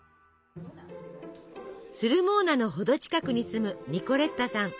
スルモーナの程近くに住むニコレッタさん。